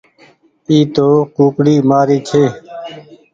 اي تو ڪوڪڙي مآري ڇي۔